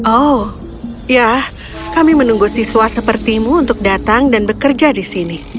oh ya kami menunggu siswa sepertimu untuk datang dan bekerja di sini